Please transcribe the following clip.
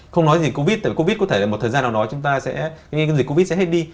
không nói gì covid tại covid có thể một thời gian nào đó chúng ta sẽ cái dịch covid sẽ hết đi